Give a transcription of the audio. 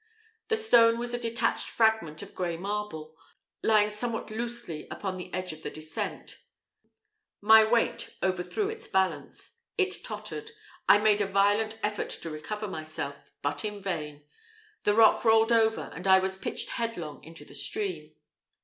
The stone was a detached fragment of grey marble, lying somewhat loosely upon the edge of the descent my weight overthrew its balance it tottered I made a violent effort to recover myself, but in vain the rock rolled over, and I was pitched headlong into the stream.